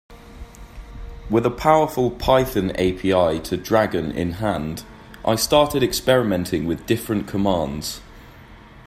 With a powerful Python API to Dragon in hand, I started experimenting with different commands.